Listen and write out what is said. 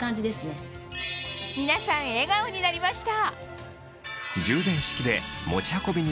皆さん笑顔になりました！